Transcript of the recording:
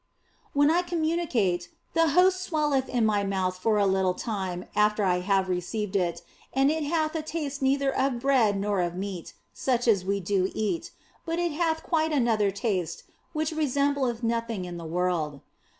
When I communicate, the Host swelleth in my mouth for a little time after I have received it, and it hath a taste neither of bread nor of meat such as we do eat, but it hath quite another taste which resembleth nothing in the world.